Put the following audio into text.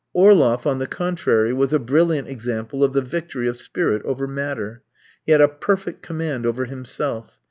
Orloff, on the contrary, was a brilliant example of the victory of spirit over matter. He had a perfect command over himself.